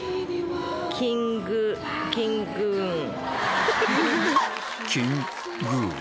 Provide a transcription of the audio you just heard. キング、キングーン。